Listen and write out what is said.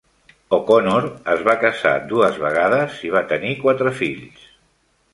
O'Connor es va casar dues vegades i va tenir quatre fills.